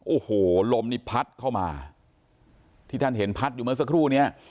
โอ้โหลมนี่พัดเข้ามาที่ท่านเห็นพัดอยู่เมื่อสักครู่เนี้ย